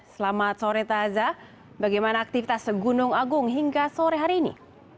selamat sore taza bagaimana aktivitas gunung agung hingga sore hari ini